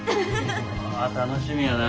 楽しみやな。